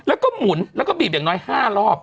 แล้วก็หมุนแล้วก็บีบอย่างน้อย๕รอบ